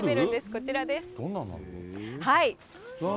こちらです。